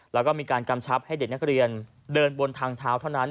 แล้วก็มีการกำชับให้เด็กนักเรียนเดินบนทางเท้าเท่านั้น